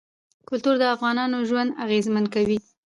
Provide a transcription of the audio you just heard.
کلتور د افغانانو ژوند اغېزمن کوي.